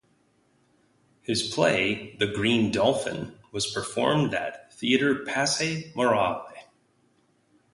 His play "The Green Dolphin" was performed at Theatre Passe Muraille.